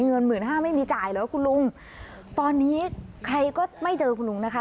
เงินหมื่นห้าไม่มีจ่ายเหรอคุณลุงตอนนี้ใครก็ไม่เจอคุณลุงนะคะ